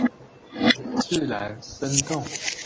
自然生動